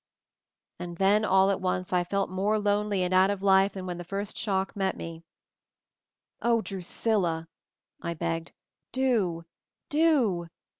And then, all at once I felt more lonely and out of life than when the first shock met me. "O, Drusilla!" I begged; "Do do!